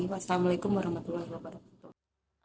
wassalamu'alaikum warahmatullahi wabarakatuh